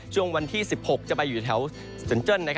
ช่วงวันที่๑๖จะไปอยู่แถวเซินเจิ้น